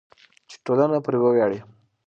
چې ټولنه پرې وویاړي.